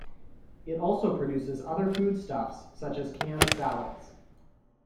It also produces other foodstuffs such as canned salads.